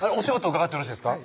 伺ってよろしいですか？